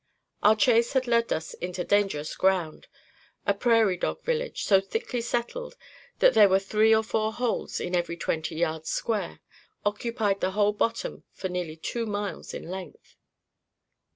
Our chase had led us into dangerous ground. A prairie dog village, so thickly settled that there were three or four holes in every twenty yards square, occupied the whole bottom for nearly two miles in length.